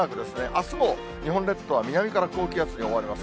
あすも日本列島は南から高気圧に覆われます。